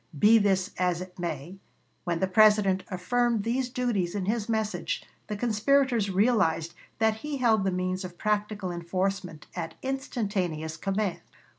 Be this as it may, when the President affirmed these duties in his message, the conspirators realized that he held the means of practical enforcement at instantaneous command.